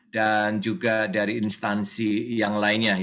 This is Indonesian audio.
dan juga dari instansi yang lainnya